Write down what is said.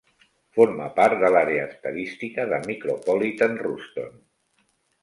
Forma part de l'àrea estadística de Micropolitan Ruston.